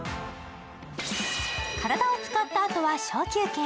体を使ったあとは小休憩。